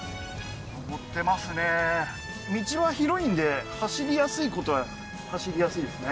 登ってますね走りやすいことは走りやすいですね